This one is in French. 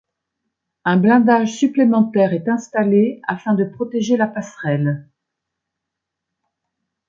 Un blindage supplémentaire est installé afin de protéger la passerelle.